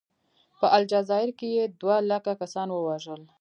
په الجزایر کې یې دوه لکه کسان ووژل.